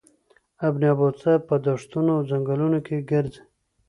ابن بطوطه په دښتونو او ځنګلونو کې ګرځي.